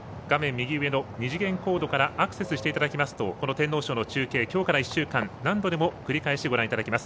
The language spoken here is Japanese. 右上の２次元コードからアクセスしていただきますと天皇賞の中継きょうから１週間、何度でも繰り返しご覧いただけます。